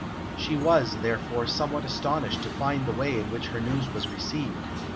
She was, therefore, somewhat astonished to find the way in which her news was received.